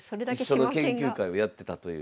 一緒の研究会をやってたという。